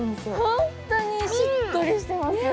ホントにしっとりしてます。